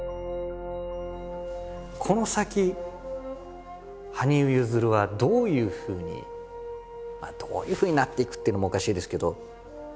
この先羽生結弦はどういうふうにどういうふうになっていくっていうのもおかしいですけど。